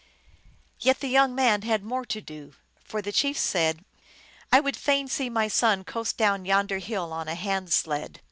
Yet the young man had more to do ; for the chief said, " I would fain see my son coast down yonder hill on a hand sled."